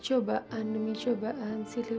cobaan demi cobaan silih silih